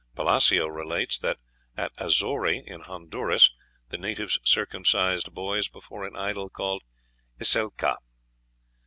Palacio relates that at Azori, in Honduras, the natives circumcised boys before an idol called Icelca.